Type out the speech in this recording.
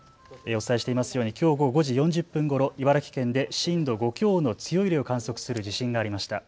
お伝えしていますようにきょう午後５時４０分ごろ茨城県で震度５強の強い揺れを観測する地震がありました。